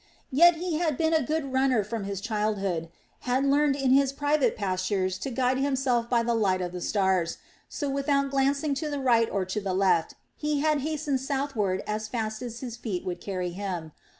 Yet he had been a good runner from his childhood, had learned in his native pastures to guide himself by the light of the stars, so without glancing to the right or to the left, he had hastened southward as fast as his feet would carry him.